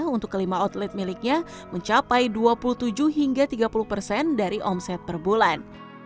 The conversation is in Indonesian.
untuk kelima outlet miliknya mencapai dua puluh tujuh hingga tiga puluh persen dari omset per bulan